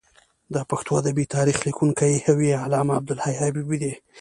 د پښتو ادبي تاریخ لیکونکی یو یې علامه عبدالحی حبیبي دی.